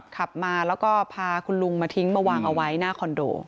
ขับมาแล้วก็พาคุณลุงมาทิ้งมาวางเอาไว้หน้าคอนโด